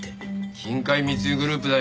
金塊密輸グループだよ。